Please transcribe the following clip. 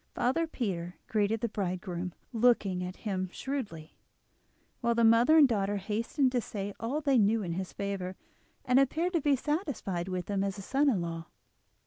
Father Peter greeted the bridegroom, looking at him shrewdly, while the mother and daughter hastened to say all they knew in his favour, and appeared to be satisfied with him as a son in law.